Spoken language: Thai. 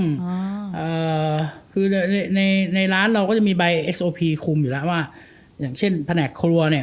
อ่าเอ่อคือในในร้านเราก็จะมีใบเอสโอพีคุมอยู่แล้วว่าอย่างเช่นแผนกครัวเนี้ย